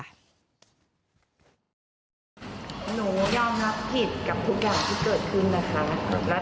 หนูยอมรับผิดกับทุกอย่างที่เกิดขึ้นนะคะ